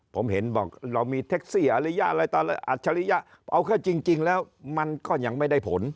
ผมเห็นบอกเรามีเท็กซี่อัศจริยะเอาแค่จริงแล้วมันก็ยังไม่ได้ผล